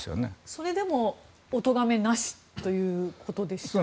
それでもお咎めなしということですよね。